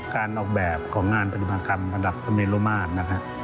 การออกแบบของงานปฏิบัติกรรมอันดับเมลม่านนะครับ